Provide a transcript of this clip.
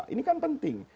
ini kan penting